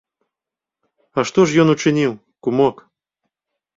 А што ж ён учыніў, кумок?